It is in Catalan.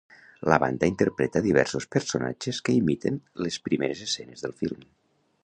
La banda interpreta diversos personatges que imiten les primeres escenes del film.